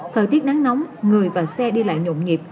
thời tiết nắng nóng người và xe đi lại nhộn nhịp